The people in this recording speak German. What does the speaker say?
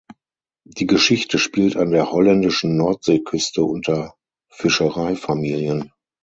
Die Geschichte spielt an der holländischen Nordseeküste unter Fischereifamilien.